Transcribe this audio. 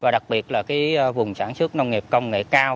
và đặc biệt là vùng sản xuất nông nghiệp công nghệ cao